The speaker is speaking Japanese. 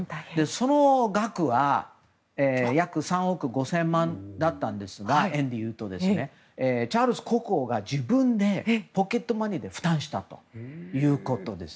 その額は約３億５０００万円だったんですがチャールズ国王が自分のポケットマネーで負担したということです。